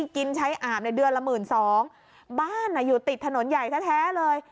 กินใช้อาบในเดือนละ๑๒๐๐๐บาทอยู่ติดถนนใหญ่แท้เลย